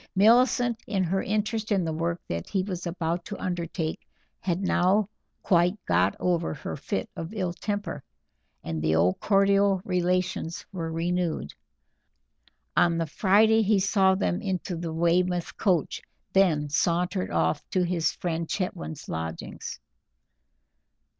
Millicent, in her interest in the work that he was about to undertake, had now quite got over her fit of ill temper, and the old cordial relations were renewed. On the Friday he saw them into the Weymouth coach, then sauntered off to his friend Chetwynd's lodgings.